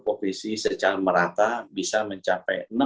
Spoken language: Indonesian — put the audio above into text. provinsi secara merata bisa mencapai